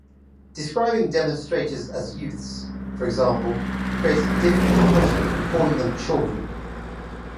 Describing demonstrators as "youths," for example, creates a different impression from calling them "children.